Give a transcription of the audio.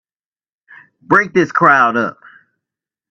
Break this crowd up!